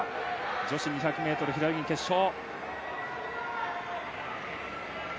女子２００ｍ平泳ぎ決勝。